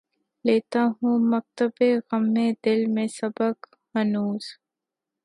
لیتا ہوں مکتبِ غمِ دل میں سبق ہنوز